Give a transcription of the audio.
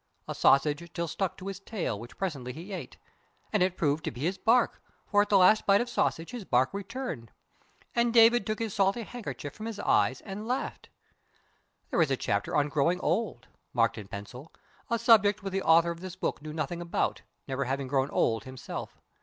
A sausage still stuck to his tail, which presently he ate. And it proved to be his bark, for at the last bite of the sausage his bark returned. And David took his salty handkerchief from his eyes and laughed. There is a chapter on growing old marked in pencil a subject which the author of this book knew nothing about, never having grown old himself.